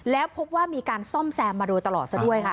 แล้วพบว่ามีการซ่อมแซมมาโดยตลอดซะด้วยค่ะ